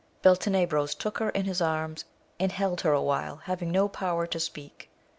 Beltenebros took her in his arms, and held her awhile, having no power to speak.